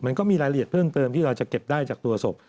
มันก็มีรายละเอียดเพิ่มเติมที่เราจะเก็บได้จากตัวศพ